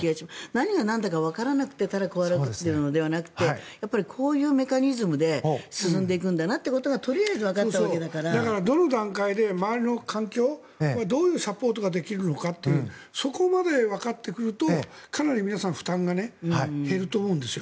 何が何だかわからなくてただこうやるというのではなくてこういうメカニズムで進んでいくんだということがだから、どの段階で周りの環境はどういうサポートができるのかというそこまでわかってくるとかなり皆さん負担が減ると思うんですよ。